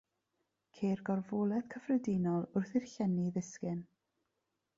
Ceir gorfoledd cyffredinol wrth i'r llenni ddisgyn .